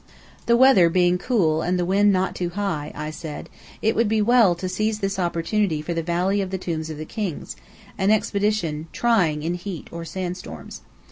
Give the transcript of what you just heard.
The weather being cool and the wind not too high (I said), it would be well to seize this opportunity for the Valley of the Tombs of the Kings, an expedition trying in heat or sand storms.